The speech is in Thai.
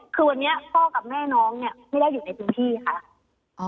คือวันนี้พ่อกับแม่น้องเนี่ยไม่ได้อยู่ในพื้นที่ค่ะ